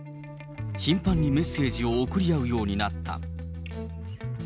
頻繁にメッセージを送り合うようになった。